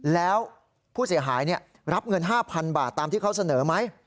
แล้วผู้เสียหายรับเงิน๕๐๐๐บาทตามที่เขาเสนอไหม